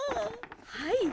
はい。